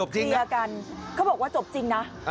เคลียร์กันเขาบอกว่าจบจริงนะ